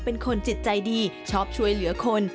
เป็นคนจิตใจดีชอบช่วยเหลือคน